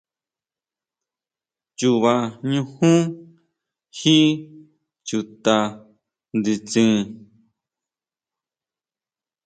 Chuba ñujún jí chuta nditsin.